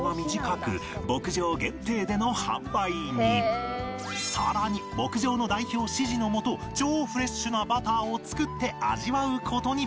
しかしその分さらに牧場の代表指示のもと超フレッシュなバターを作って味わう事に